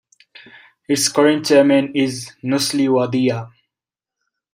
Its current chairman is Nusli Wadia.